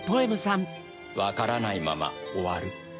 わからないままおわる